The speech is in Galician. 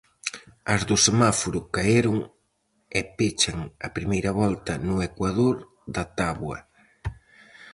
As do semáforo caeron e pechan a primeira volta no ecuador da táboa.